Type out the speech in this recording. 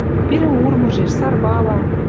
Пирӹ урмыжеш, сарвала